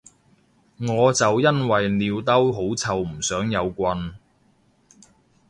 我就因為尿兜好臭唔想有棍